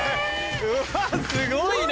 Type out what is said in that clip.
うわすごいな！